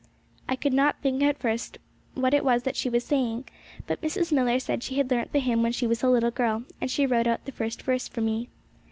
I could not think at first what it was that she was saying; but Mrs. Millar said she had learnt the hymn when she was a little girl, and she wrote out the first verse for me.